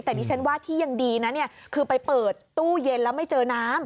แต่ดิฉันว่าที่ยังดีนะเนี่ยคือไปเปิดตู้เย็นแล้วไม่เจอน้ำ